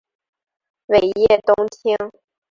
尾叶冬青